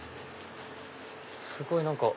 すごい何か。